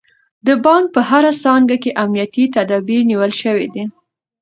د بانک په هره څانګه کې امنیتي تدابیر نیول شوي دي.